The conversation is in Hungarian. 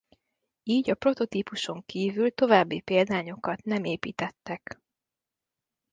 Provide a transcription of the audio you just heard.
Így a prototípuson kívül további példányokat nem építettek.